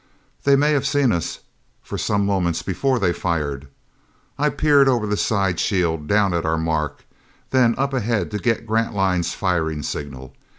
They may have seen us for some moments before they fired. I peered over the side shield down at our mark, then up ahead to get Grantline's firing signal.